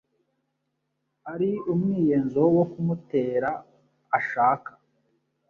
ari umwiyenzo wo kumutera ashaka